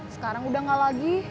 sekarang udah gak lagi